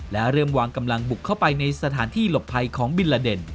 และเริ่มวางกำลังบุกเข้าไปในสถานที่หลบภัยของบิลลาเด่น